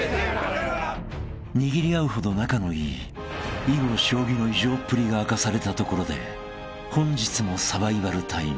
［握り合うほど仲のいい囲碁将棋の異常っぷりが明かされたところで本日も］